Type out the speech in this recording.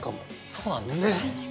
そうなんですよね。